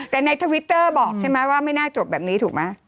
แต่ในทวิตเตอร์บอกใช่ไหมว่าไม่น่าจบแบบนี้ถูกไหม